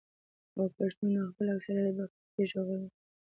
او پښتون د خپل اکثريت بګتۍ ږغوي.